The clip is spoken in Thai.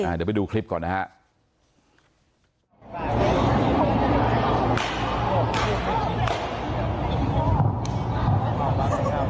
เดี๋ยวไปดูคลิปก่อนนะครับ